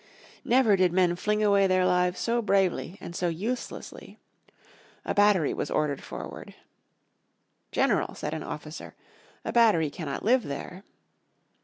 Never did men fling away their lives so bravely and so uselessly. A battery was ordered forward. "General," said an officer, "a battery cannot live there."